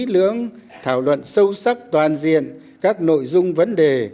lưỡng thảo luận sâu sắc toàn diện các nội dung vấn đề